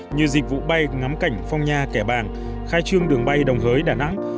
như dịch vụ bay ngắm cảnh phong nha kẻ bàng khai trương đường bay đồng hới đà nẵng